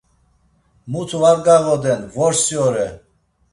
Mutu var gağoden, vorsi ore.